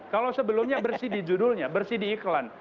kalau sebelumnya bersih di judulnya bersih di iklan